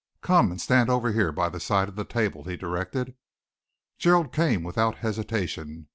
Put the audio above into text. "Come and stand over here by the side of the table," he directed. Gerald came without hesitation.